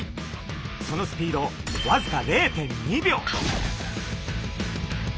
そのスピードわずか０．２秒！